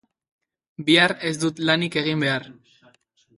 Bihar ez dut lanik egin behar